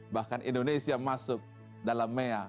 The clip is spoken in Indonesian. bahkan indonesia masuk dalam mea